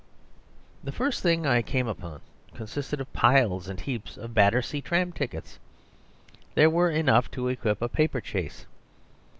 ..... The first thing I came upon consisted of piles and heaps of Battersea tram tickets. There were enough to equip a paper chase.